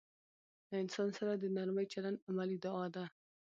له انسان سره د نرمي چلند عملي دعا ده.